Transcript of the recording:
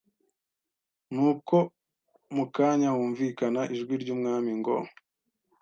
Nuko mu kanya humvikana ijwi ry'Umwami ngo